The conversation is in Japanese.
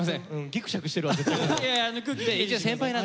ギクシャクしてるわ絶対ここ。